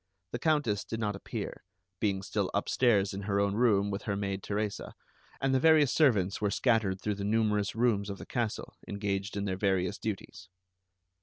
The Countess did not appear, being still upstairs in her own room with her maid Teresa, and the various servants were scattered through the numerous rooms of the castle engaged in their various duties.